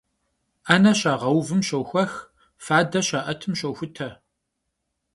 'ene şağeuvım şoxuex, fade şa'etım şoxute.